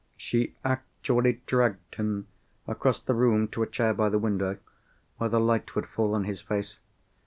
She actually dragged him across the room to a chair by the window, where the light would fall on his face.